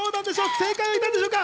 正解はいたんでしょうか。